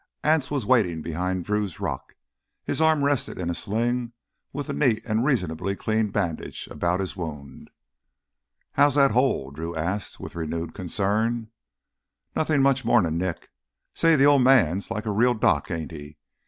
Anse was waiting behind Drew's rock. His arm rested in a sling with a neat and reasonably clean bandage about his wound. "How's that hole?" Drew asked with renewed concern. "Nothin' much more'n a nick. Say, th' Old Man's like a real doc, ain't he?